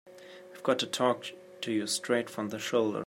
I've got to talk to you straight from the shoulder.